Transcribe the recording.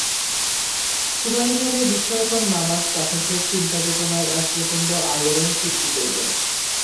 খুবাইবের এই বিস্ময়কর নামায কাফেরদের চিন্তা-চেতনায় এক প্রচণ্ড আলোড়ন সৃষ্টি করল।